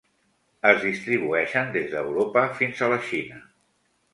Es distribueixen des d'Europa fins a la Xina.